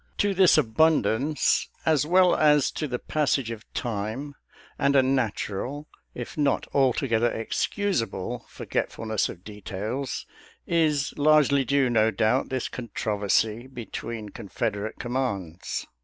To this abundance as well as to the passage of time and a natural, if not altogether excusable, forgetfulness of details is largely due, no doubt, this controversy be tween Confederate commands.